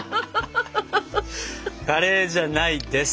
カレーじゃないです。